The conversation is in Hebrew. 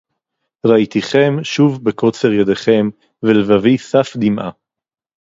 ראיתיכם שוב בקוצר ידכם ולבבי סף דמעה